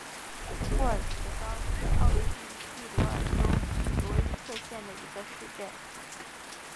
霍尔茨高是奥地利蒂罗尔州罗伊特县的一个市镇。